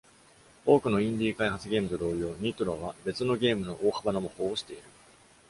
多くのインディー開発ゲームと同様、「Nitro」は別のゲームの大幅な模倣をしている。